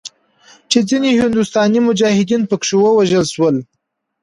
چې ځینې هندوستاني مجاهدین پکښې ووژل شول.